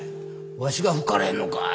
わしが「吹かれへんのかい！」